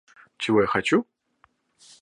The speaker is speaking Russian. Чего я хочу?